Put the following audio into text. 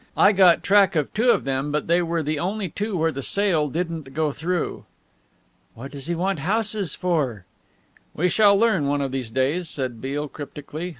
I got track of two of them but they were the only two where the sale didn't go through." "What does he want houses for?" "We shall learn one of these days," said Beale cryptically.